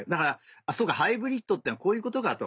そうかハイブリッドってのはこういうことかと。